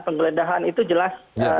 penggeledahan itu jelas